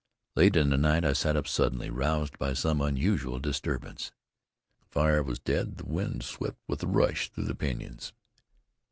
Late in the night I sat up suddenly, roused by some unusual disturbance. The fire was dead; the wind swept with a rush through the pinyons.